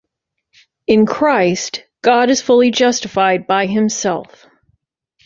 In Christ, God is fully justified by Himself.